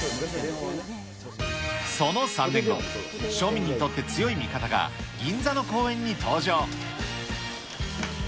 その３年後、庶民にとって強い味方が、銀座の公園に登場。